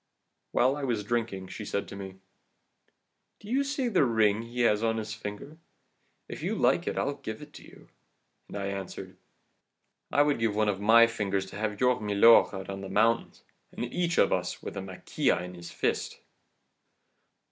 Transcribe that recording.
"While I was drinking she said to me: "'Do you see that ring he has on his finger? If you like I'll give it to you.' "And I answered: "'I would give one of my fingers to have your milord out on the mountains, and each of us with a maquila in his fist.